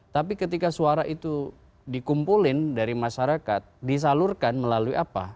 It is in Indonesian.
tapi ketika suara itu dikumpulin dari masyarakat disalurkan melalui apa